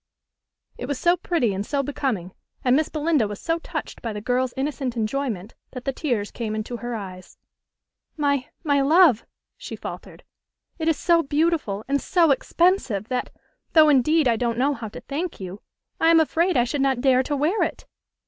It was so pretty and so becoming, and Miss Belinda was so touched by the girl's innocent enjoyment, that the tears came into her eyes. "My my love," she faltered, "it is so beautiful, and so expensive, that though indeed I don't know how to thank you I am afraid I should not dare to wear it."